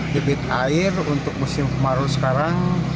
debit air untuk musim kemarau sekarang